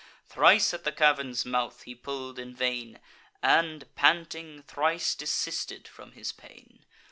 Thrice at the cavern's mouth he pull'd in vain, And, panting, thrice desisted from his pain.